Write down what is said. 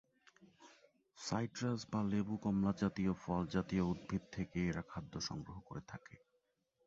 Citrus বা লেবু-কমলা জাতীয় ফল জাতীয় উদ্ভিদ থেকে এরা খাদ্য সংগ্রহ করে থাকে।